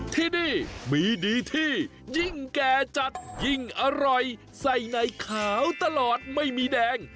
ที่นี่มีดีที่ยิ่งแก่จัดยิ่งอร่อยใส่ในขาวตลอดไม่มีแดง